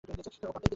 ও পাত্তাও দিল না।